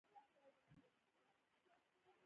دريم ور ودانګل او ورته يې وويل چې دا څه صفتونه دي.